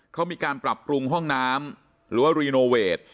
เขามีการปรับปรุงห้องน้ำหรือว่ารีโนเวท